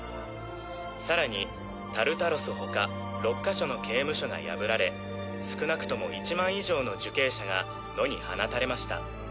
更にタルタロス他６か所の刑務所が破られ少なくとも１万以上の受刑者が野に放たれました。